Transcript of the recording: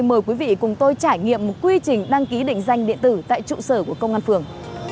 mời quý vị cùng tôi trải nghiệm một quy trình đăng ký định danh điện tử tại trụ sở của công an phường